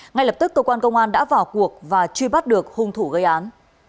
ngay lập tức cơ quan công an đã vào cuộc và truy bắt được hung thủ gây án